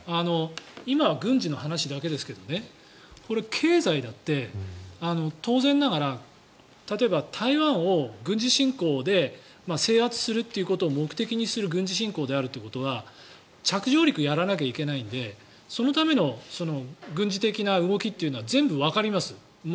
今、軍事の話だけですけど経済だって、当然ながら例えば台湾を軍事進攻で制圧することを目的にする軍事進攻であるということは着上陸をやらなきゃいけないのでそのための軍事的な動きというのは全部わかります。